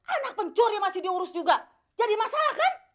enak pencuri masih diurus juga jadi masalah kan